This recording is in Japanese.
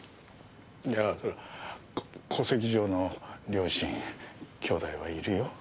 いや戸籍上の両親兄弟はいるよ。